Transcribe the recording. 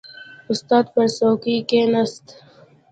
• استاد پر څوکۍ کښېناست.